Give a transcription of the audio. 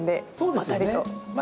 ばたりと。